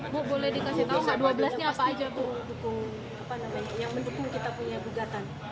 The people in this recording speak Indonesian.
bo boleh dikasih tahu dua belas nya apa aja yang mendukung kita punya bugatan